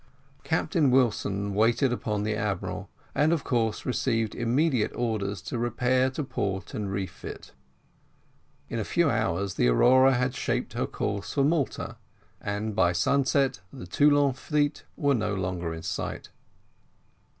Captain Wilson waited upon the admiral, and of course received immediate orders to repair to port and refit. In a few hours the Aurora had shaped her course for Malta, and by sunset the Toulon fleet were no longer in sight.